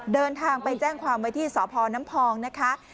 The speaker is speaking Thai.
เดินทางไปแจ้งความไว้ที่สพน้ำพองนะคะ